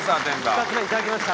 ２つ目いただきました。